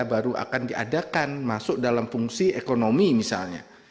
baru akan diadakan masuk dalam fungsi ekonomi misalnya